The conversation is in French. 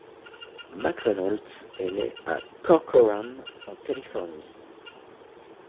Mack Reynolds est né à Corcoran en Californie.